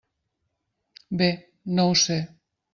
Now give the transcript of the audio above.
Bé, no ho sé.